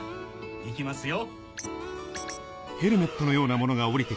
行きますよ。